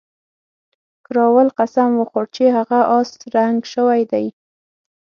کراول قسم وخوړ چې هغه اس رنګ شوی دی.